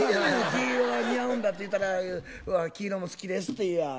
黄色が似合うんだって言ったら「黄色も好きです」って言やぁ。